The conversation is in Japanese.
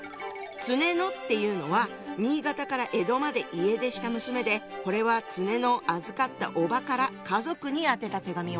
常野っていうのは新潟から江戸まで家出した娘でこれは常野を預かったおばから家族に宛てた手紙よ。